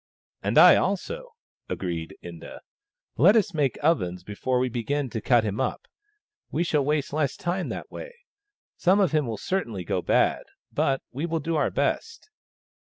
"And I also," agreed Inda. "Let us make ovens before we begin to cut him up — we shall waste less time that way. Some of him will cer tainly go bad, but we will do our best."